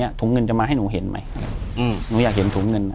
อยู่ที่แม่ศรีวิรัยิลครับ